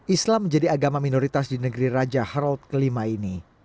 islam menjadi agama minoritas di negeri raja harald ke lima ini